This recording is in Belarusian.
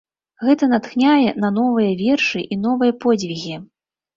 Гэта натхняе на новыя вершы і новыя подзвігі.